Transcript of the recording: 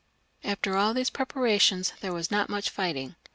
367 After all these preparations there was not much fight mg.